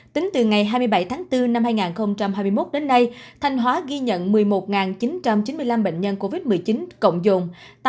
tính từ ngày hai mươi bảy tháng bốn năm hai nghìn hai mươi một đến nay thanh hóa ghi nhận một mươi một chín trăm chín mươi năm bệnh nhân covid một mươi chín cộng dồn